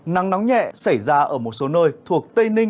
nắng nắng nhẹ xảy ra ở một số nơi